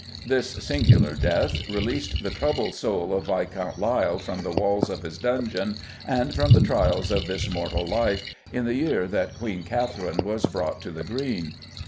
This singular death released the troubled soul of Viscount Lisle from the walls of his dungeon and from the trials of this mortal life, in the year that Queen Katherine was brought to the Green.